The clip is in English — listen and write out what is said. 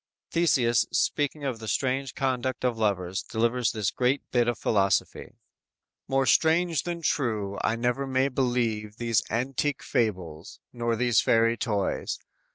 Theseus speaking of the strange conduct of lovers, delivers this great bit of philosophy: _"More strange than true, I never may believe These antique fables, nor these fairy toys.